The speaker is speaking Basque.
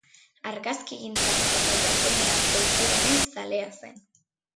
Argazkigintza eta japoniar kulturaren zalea zen.